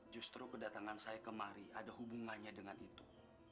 justru kedatangan saya kemari ada hubungannya dengan itu